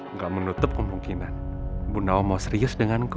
nggak menutup kemungkinan bu nao mau serius denganku